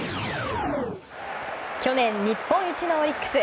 去年日本一のオリックス。